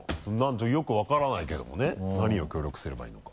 よく分からないけどもね何を協力すればいいのか。